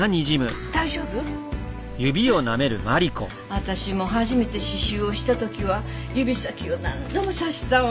私も初めて刺繍をした時は指先を何度も刺したわ。